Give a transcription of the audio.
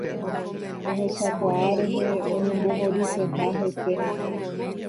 Ohechakuaa rehe oñembohoryseha hese.